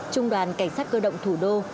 trung đoàn cảnh sát cơ động thủ đô